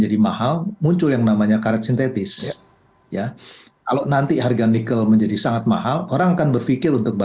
jadi harus singkat dari kapasitas teknologi dan teknologi yang datang di indonesia